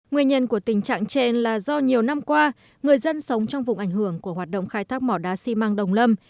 nguyên nhân của tình trạng trên là do nhiều năm qua người dân sống trong vùng ảnh hưởng của hoạt động khai thác mỏ đá xi măng đồng lâm